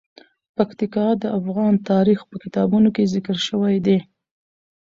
پکتیکا د افغان تاریخ په کتابونو کې ذکر شوی دي.